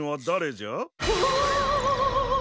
うわ！